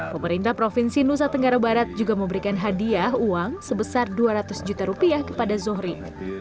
pemerintah provinsi nusa tenggara barat juga memberikan hadiah uang sebesar dua ratus juta rupiah kepada zohri